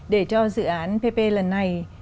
để cho dự án pp lần này